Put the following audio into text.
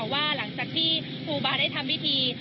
ว่าหลังจากที่ครูบาได้ทำพิธี